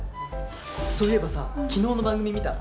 そういえばさ昨日の番組見た？